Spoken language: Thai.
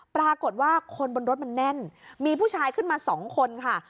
ปรากฏว่าคนบนรถมันแน่นมีผู้ชายขึ้นมาสองคนค่ะ